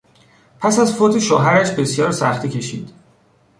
پس از فوت شوهرش بسیار سختی کشید.